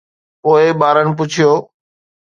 پوءِ ٻارن پڇيو